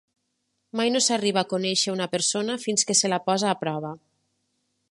Mai no s'arriba a conèixer una persona fins que se la posa a prova.